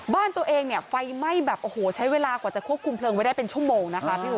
บ้านตัวเองไฟไหม้แบบใช้เวลากว่าจะควบคุมเพลิงไว้ได้เป็นชั่วโมง